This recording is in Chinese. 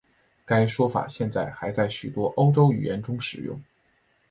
该说法现在还在许多欧洲语言中使用。